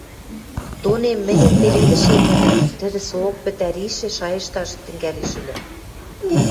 Тонем мӹньӹн пеледӹшем ыльы: тӹдӹ соок пӹтӓришӹ шайышташ тӹнгӓлеш ыльы.